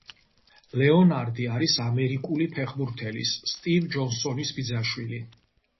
ლეონარდი არის ამერიკული ფეხბურთელის, სტივ ჯონსონის ბიძაშვილი.